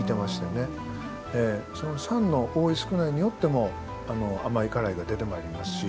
その酸の多い少ないによっても甘い辛いが出てまいりますし。